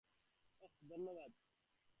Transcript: ওহ, ধন্যবাদ।